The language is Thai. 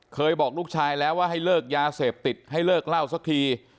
บอกลูกชายแล้วว่าให้เลิกยาเสพติดให้เลิกเล่าสักที